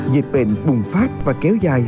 dịch bệnh bùng phát và kéo dài